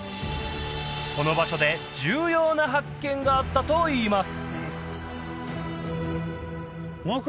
この場所で重要な発見があったといいます